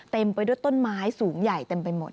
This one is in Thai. เต็มไปด้วยต้นไม้สูงใหญ่เต็มไปหมด